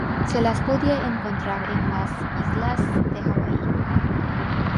Se las podía encontrar en las islas de Hawái.